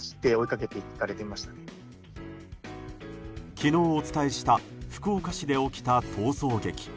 昨日お伝えした福岡市で起きた逃走劇。